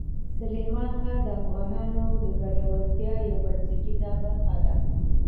سلیمان غر د افغانانو د ګټورتیا یوه بنسټیزه برخه ده.